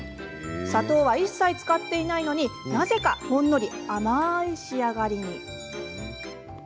砂糖は一切使っていないのになぜか、ほんのり甘い仕上がりに。